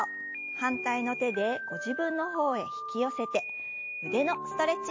反対の手でご自分の方へ引き寄せて腕のストレッチです。